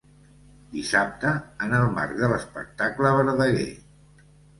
Dissabte, en el marc de l’espectacle Verdaguer.